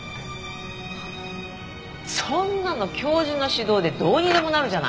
そんなの教授の指導でどうにでもなるじゃない！